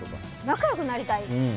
仲良くなりたい？